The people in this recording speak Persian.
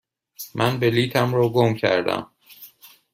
من بلیطم را گم کردم.